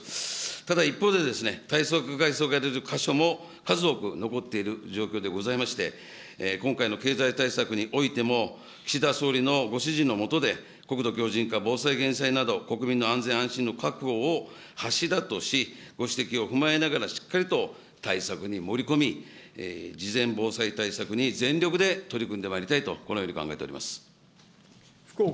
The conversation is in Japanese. ただ一方で、対策が急がれる箇所も数多く残っている状況でございまして、今回の経済対策においても、岸田総理のご指示の下で、国土強じん化、防災・減災など、国民の安全・安心の確保を柱とし、ご指摘を踏まえながら、しっかりと対策に盛り込み、事前防災対策に全力で取り組んでまいりたいと、このように考えております。